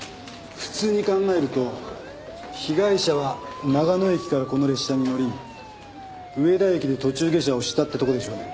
普通に考えると被害者は長野駅からこの列車に乗り上田駅で途中下車をしたってとこでしょうね。